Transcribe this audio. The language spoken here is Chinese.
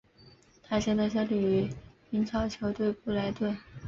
他现在效力于英超球队布莱顿。